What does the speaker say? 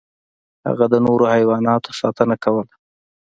هغه د نورو حیواناتو ساتنه کوله.